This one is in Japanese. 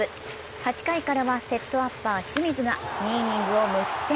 ８回からはセットアッパー・清水が２イニングを無失点。